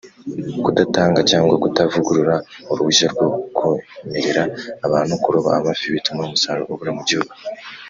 Kudatanga cyangwa kutavugurura uruhushya ryo kwemerera abantu kuroba amafi bituma umusaruro ubura mu gihugu